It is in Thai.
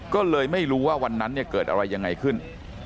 ก็เลยไม่รู้ว่าวันนั้นเนี่ยเกิดอะไรยังไงขึ้น